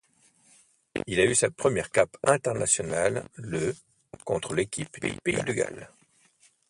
Il a eu sa première cape internationale le contre l'équipe du Pays de Galles.